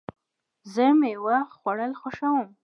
زه مېوه خوړل خوښوم.